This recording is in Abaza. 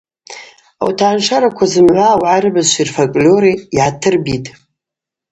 Ауат агӏаншараква зымгӏва аугӏа рыбызшви рфольклори йгӏатӏырбитӏ.